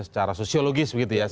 secara sosiologis begitu ya